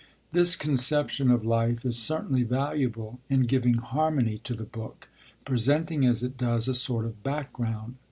This conception of life is certainly valuable in giving harmony to the book, presenting as it does a sort of background.